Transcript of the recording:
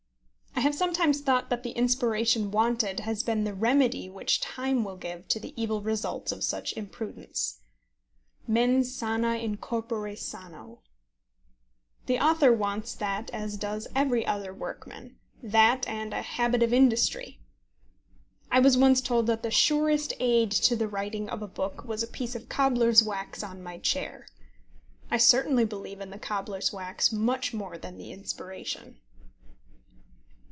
I have sometimes thought that the inspiration wanted has been the remedy which time will give to the evil results of such imprudence. Mens sana in corpore sano. The author wants that as does every other workman, that and a habit of industry. I was once told that the surest aid to the writing of a book was a piece of cobbler's wax on my chair. I certainly believe in the cobbler's wax much more than the inspiration.